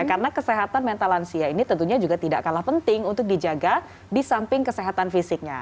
karena kesehatan mental lansia ini tentunya juga tidak kalah penting untuk dijaga di samping kesehatan fisiknya